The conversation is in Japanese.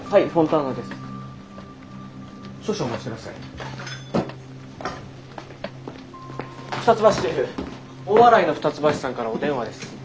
大洗の二ツ橋さんからお電話です。